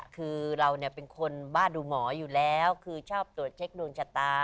คือเราเป็นคนบ้าดูหมออยู่แล้วคือชอบตรวจเช็คดวงชะตา